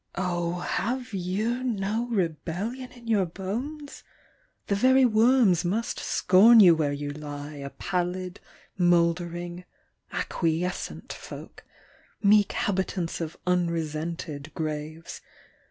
Oh, have you no rebellion in your bones? The very worms must scorn you where you lie, A pallid, mouldering, asqujescent folk, Meek habitants of unresented graves.